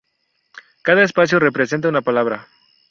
Cada espacio representa una palabra.